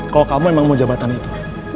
kalau kamu emang mau jabatan itu